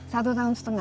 satu tahun setengah